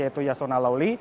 yaitu yasona lawli